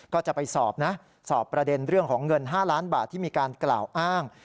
ก็จะไปสอบนะสอบประเด็นเรื่องของเงิน๕ล้านบาทที่มีการกล่าวอ้าง